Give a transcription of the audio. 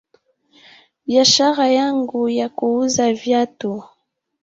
Biashara yangu ya kuuza viatu